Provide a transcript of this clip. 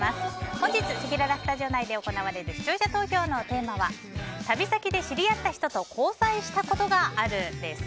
本日、せきららスタジオ内で行われる視聴者投票のテーマは旅先で知り合った人と交際したことがあるです。